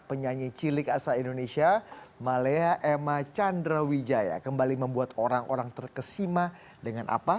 penyanyi cilik asal indonesia malaya emma chandrawijaya kembali membuat orang orang terkesima dengan apa